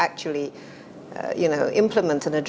untuk memulai dan menjawab